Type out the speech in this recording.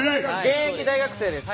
現役大学生です。